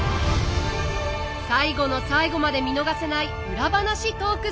最後の最後まで見逃せないウラ話トーク